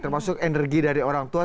termasuk energi dari orang tua